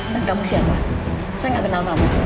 dan kamu siapa saya gak kenal namamu